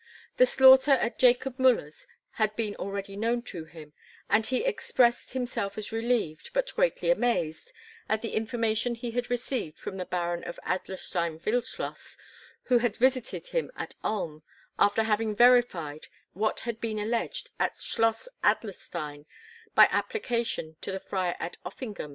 The slaughter at Jacob Müller's had been already known to him, and he expressed himself as relieved, but greatly amazed, at the information he had received from the Baron of Adlerstein Wildschloss, who had visited him at Ulm, after having verified what had been alleged at Schloss Adlerstein by application to the friar at Offingen.